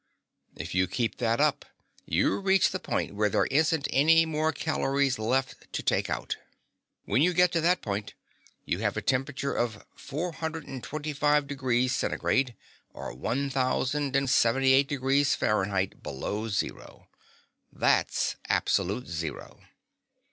"If you keep that up you reach the point where there aren't any more calories left to take out. When you get to that point you have a temperature of 425° Centigrade, or one thousand and seventy eight degrees Fahrenheit below zero. That's absolute zero."